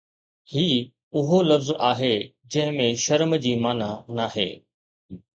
هي اهو لفظ آهي جنهن ۾ شرم جي معنيٰ ناهي